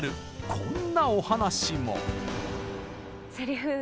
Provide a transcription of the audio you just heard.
こんなお話も。